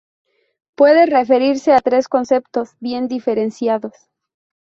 Puede referirse a tres conceptos bien diferenciados.